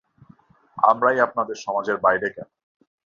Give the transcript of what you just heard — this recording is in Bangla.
আমরাই আপনাদের সমাজের বাইরে কেনো?